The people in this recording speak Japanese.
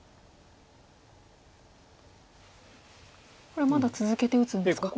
これまだ続けて打つんですか。